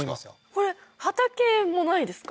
これ畑もないですか？